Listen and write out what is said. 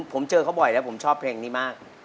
ผมเจอเขาบ่อยแล้วผมชอบเพลงนี้มาก